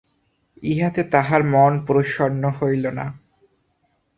ইহাতে তাঁহার মন প্রসন্ন হইল না।